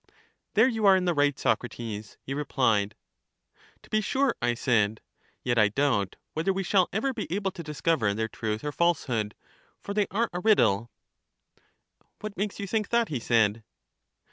There you are in the right, Socrates, he repKed. To be sure, I said; yet I doubt whether we shall ever be able to discover their truth or falsehood; for they are a riddle. What makes you think that? he said.